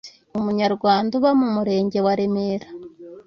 umunyarwanda uba mu murenge wa remera